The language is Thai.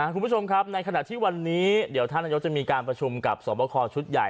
คุณผู้ชมครับในขณะที่วันนี้เดี๋ยวท่านนายกจะมีการประชุมกับสวบคอชุดใหญ่